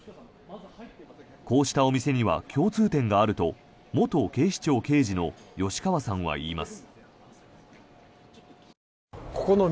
こうしたお店には共通点があると元警視庁刑事の吉川さんは言います。